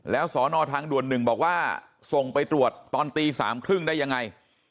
แล้วสอนอทางด่วน๑บอกว่าส่งไปตรวจตอนตี๓๓๐ได้ยังไง